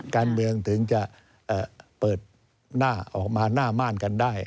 การเมืองถึงจะเปิดหน้าออกมาหน้าม่านกันได้